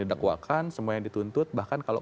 didakwakan semua yang dituntut bahkan kalau